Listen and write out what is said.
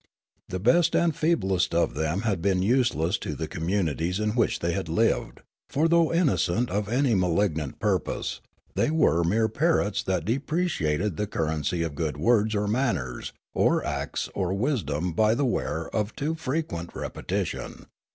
The best and feeblest of them had been useless to the communities in which thej^ had lived ; for, though innocent of any malignant purpose, tlie}^ were mere parrots that depreciated the currency of good words or manners or acts or wisdom by the wear of too frequent repetition.